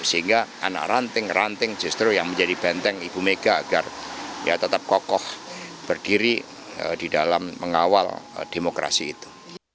sehingga anak ranting ranting justru yang menjadi benteng ibu mega agar tetap kokoh berdiri di dalam mengawal demokrasi itu